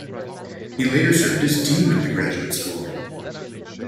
He later served as dean of the graduate school.